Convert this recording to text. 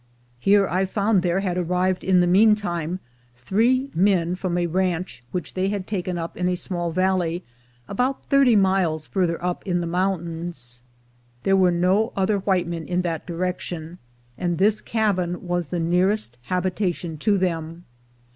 Here I found there had arrived in the meantime three men from a ranch which they had taken up in a small valley, about thirty miles farther up in the mountains. There were no other white men in that direction, and this cabin was the nearest habitation to them.